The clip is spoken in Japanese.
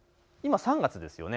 今３月ですよね。